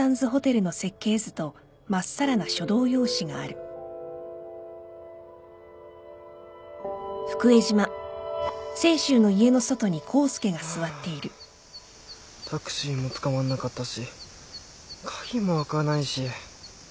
ハァタクシーもつかまんなかったし鍵も開かないし。